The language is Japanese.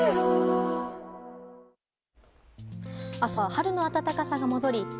明日は春の暖かさが戻り